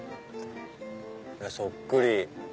そっくり。